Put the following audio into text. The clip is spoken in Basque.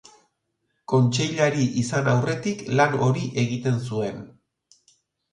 Kontseilari izan aurretik lan hori egiten zuen.